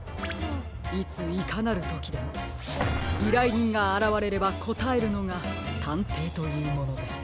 いついかなるときでもいらいにんがあらわれればこたえるのがたんていというものです。